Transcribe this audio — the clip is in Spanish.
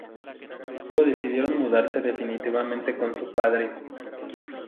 Luego, decidieron mudarse definitivamente con su padre.